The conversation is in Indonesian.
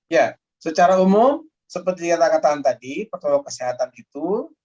ya secara umum seperti yang anda katakan tadi protokol kesehatan itu